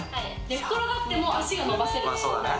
寝転がっても足がのばせる。